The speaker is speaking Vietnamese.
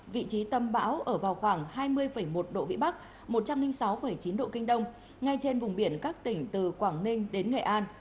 vị trí tâm bão ở vào khoảng hai mươi một độ vĩ bắc một trăm linh sáu chín độ kinh đông ngay trên vùng biển các tỉnh từ quảng ninh đến nghệ an